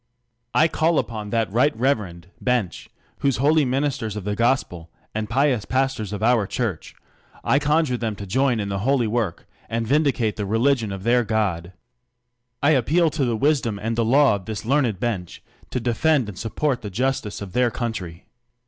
I call upon that Right Reverend Bench, those holy ' ministers THE COLUMBIAN ORATOR. 157 ministers of the gospel, and pious pastors of our C:iurch : I conjure them to join in the holy v/ork, and vindicate the religion of their God. I appeal to the wisdom and the law of this learned bench, to defend and support the justice of their country.